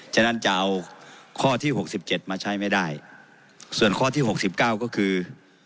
ฉะนั้นจะเอาข้อที่หกสิบเจ็ดมาใช้ไม่ได้ส่วนข้อที่หกสิบเก้าก็คือ